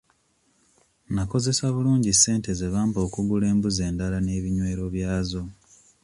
Nakozesa bulungi ssente ze bampa okugula embuzi endala n'ebinywero byazo.